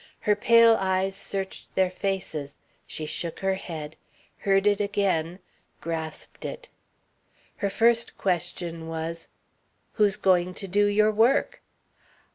Her pale eyes searched their faces, she shook her head, heard it again, grasped it. Her first question was: "Who's going to do your work?"